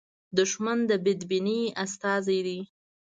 دښمن د بدبینۍ استازی دی